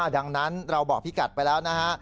ดังนั้นเราบอกพี่กัดไปแล้วนะฮะ